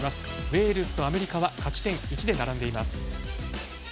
ウェールズとアメリカは勝ち点１で並んでいます。